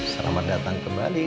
selamat datang kembali